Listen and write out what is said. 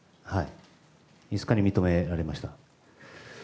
５日に認められました。